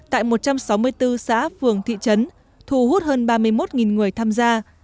tại một trăm sáu mươi bốn xã phường thị trấn thu hút hơn ba mươi một người tham gia